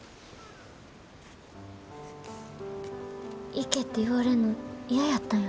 行けって言われんの嫌やったんや。